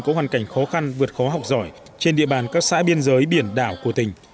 có hoàn cảnh khó khăn vượt khó học giỏi trên địa bàn các xã biên giới biển đảo của tỉnh